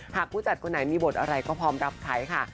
ผู้จัดคนไหนมีบทอะไรก็พร้อมรับใช้ค่ะ